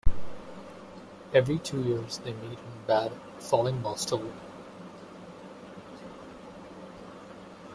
Every two years they meet in Bad Fallingbostel.